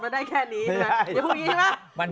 ดีนะครับให้ไป